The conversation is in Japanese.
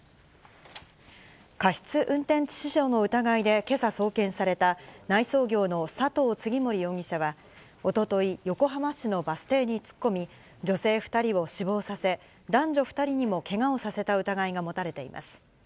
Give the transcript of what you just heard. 過失運転致死傷の疑いで、けさ送検された、内装業の佐藤次守容疑者はおととい、横浜市のバス停に突っ込み、女性２人を死亡させ、男女２人にもけがをさせた疑いが持たれています。